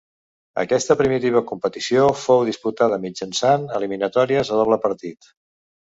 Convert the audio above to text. Aquesta primitiva competició fou disputada mitjançant eliminatòries a doble partit.